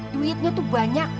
duitnya tuh banyak